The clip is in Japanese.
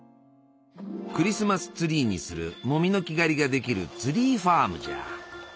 クリスマスツリーにするモミの木刈りができるツリーファームじゃ。